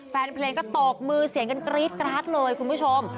แฟนเพลงก็ตบมือเสียงกันกรี๊ดกราดเลยคุณผู้ชม